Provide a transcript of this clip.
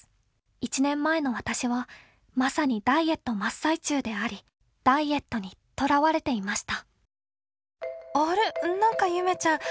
一年前の私は、まさにダイエット真っ最中であり、ダイエットにとらわれていました」。